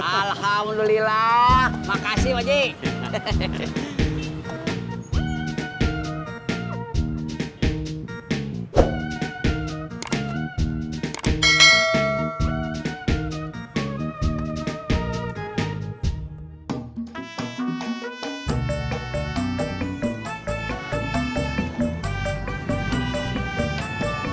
alhamdulillah makasih pak haji